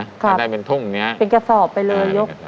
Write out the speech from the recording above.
จะได้เป็นทุ่งเนี้ยเป็นกระสอบไปเลยยก